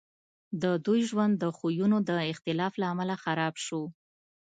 د دوی ژوند د خویونو د اختلاف له امله خراب شو